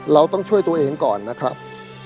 เราต้องช่วยตัวเองก่อนนะครับ